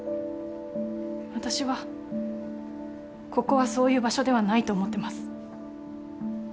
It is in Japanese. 私はここはそういう場所ではないと思ってます。